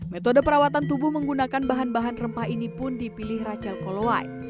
metode perawatan tubuh menggunakan bahan bahan rempah ini pun dipilih rachel kolowai